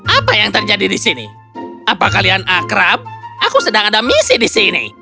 apa yang terjadi di sini apa kalian akrab aku sedang ada misi di sini